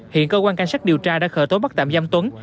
hiện cơ quan cảnh sát điều tra đã khởi tố bắt tạm giam tuấn